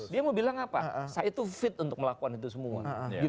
dia mau bilang apa saya itu fit untuk melakukan itu semua